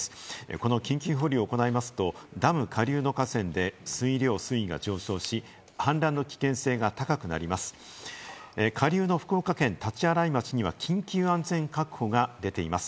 この緊急放流を行いますと、ダム下流の河川で水量・水位が上昇し、氾濫の危険性が高くなります。